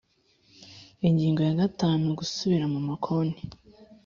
Ingingo ya gatanu Gusubira mu makonti